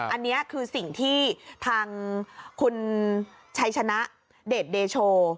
อันนี้คือสิ่งที่ทางคุณชัยชนะเดชเดโช